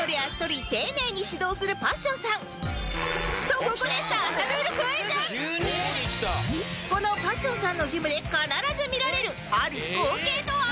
とここでこのパッションさんのジムで必ず見られるある光景とは？